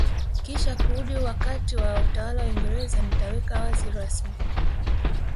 kisha kurudi wakati wa utawala wa Uingereza nitaweka wazi rasmi